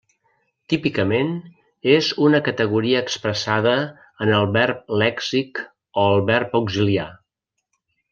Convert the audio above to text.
Típicament és una categoria expressada en el verb lèxic o el verb auxiliar.